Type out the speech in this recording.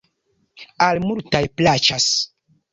Al multaj plaĉas.